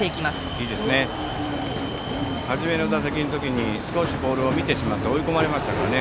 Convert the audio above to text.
いいですね初めの打席の時にボールを見てしまって追い込まれましたからね。